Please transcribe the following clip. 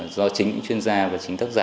do chính những chuyên gia và chính thức giả